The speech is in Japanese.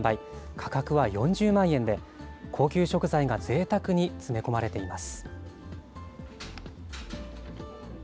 価格は４０万円で、高級食材がぜいたくに詰め込まれています。